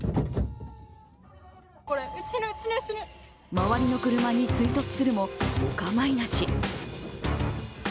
周りの車に追突するも、お構いなし。